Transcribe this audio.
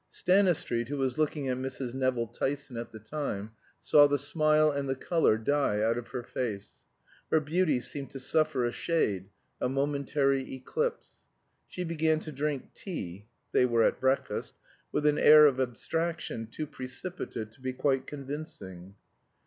Stanistreet, who was looking at Mrs. Nevill Tyson at the time, saw the smile and the color die out of her face; her beauty seemed to suffer a shade, a momentary eclipse. She began to drink tea (they were at breakfast) with an air of abstraction too precipitate to be quite convincing.